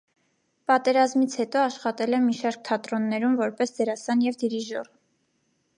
Պատերազմից հետո աշխատել է մի շարք թատրոններում որպես դերասան և դիրիժոր։